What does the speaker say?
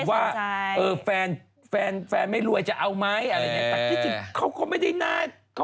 ว่าถ้าสมมุติแบบว่าแฟนไม่รวยจะเอาไหมแต่จริงเขาก็ไม่ได้น่าน่าตาดีนะ